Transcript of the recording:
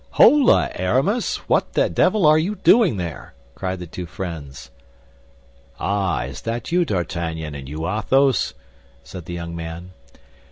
"Holà, Aramis! What the devil are you doing there?" cried the two friends. "Ah, is that you, D'Artagnan, and you, Athos?" said the young man.